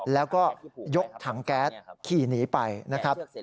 แล้วก็ยกถังแก๊สขี่หนีไปนะครับ